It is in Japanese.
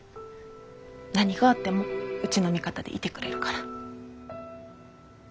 何があってもうちの味方でいてくれるから。